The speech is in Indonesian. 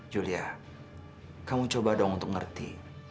julia kamu coba dong untuk ngerti